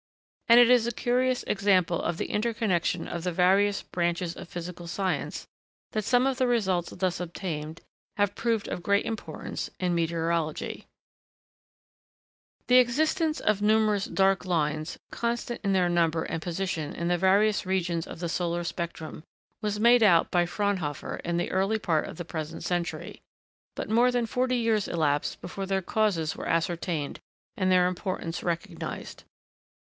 And it is a curious example of the interconnection of the various branches of physical science, that some of the results thus obtained have proved of great importance in meteorology. [Sidenote: The spectroscope.] The existence of numerous dark lines, constant in their number and position in the various regions of the solar spectrum, was made out by Fraunhofer in the early part of the present century, but more than forty years elapsed before their causes were ascertained and their importance recognised.